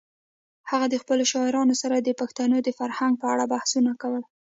هغه د خپلو شاعرانو سره د پښتنو د فرهنګ په اړه بحثونه کول.